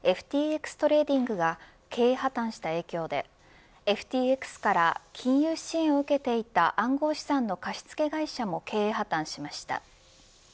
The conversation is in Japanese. ＦＴＸトレーディングが経営破綻した影響でＦＴＸから金融支援を受けていた暗号資産の貸し付け会社も経営破綻しました。